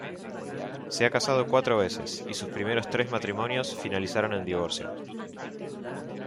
Se ha casado cuatro veces, y sus primeros tres matrimonios finalizaron en divorcio.